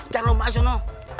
jangan lo mbak ke sana